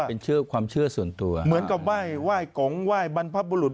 เป้นความเชื่อส่วนตัวเหมือนกับไหว้กำไหว้บรรพบุรุษ